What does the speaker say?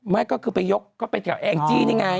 ไม่ก็ไปยกเองจีนไง